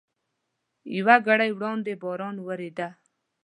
یوه ګړۍ وړاندې باران ودرېد.